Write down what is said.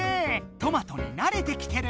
トマトになれてきてる！